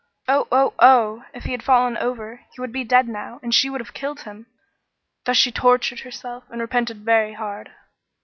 Oh, oh, oh! If he had fallen over, he would be dead now, and she would have killed him! Thus she tortured herself, and repented very hard.